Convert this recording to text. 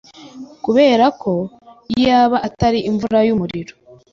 Kuberako iyaba atari imvura yumuriro